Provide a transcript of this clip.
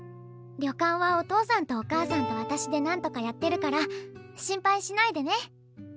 旅館はお父さんとお母さんと私でなんとかやってるから心配しないでね。